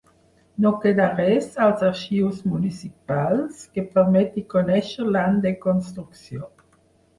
No queda res als arxius municipals que permeti conèixer l'any de construcció.